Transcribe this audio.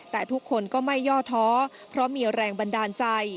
แต่ทุกคนก็ไม่ย่อท้อเพราะมีแรงบันดาลใจ